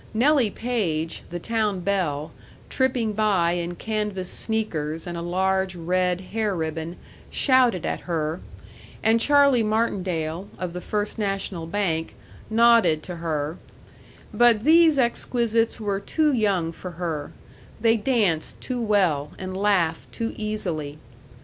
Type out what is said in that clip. Nellie Page, the town belle, tripping by in canvas sneakers and a large red hair ribbon, shouted at her, and Charlie Martindale, of the First National Bank, nodded to her, but these exquisites were too young for her; they danced too well and laughed too easily.